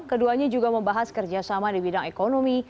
keduanya juga membahas kerjasama di bidang ekonomi